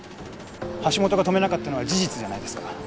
橋本が止めなかったのは事実じゃないですか。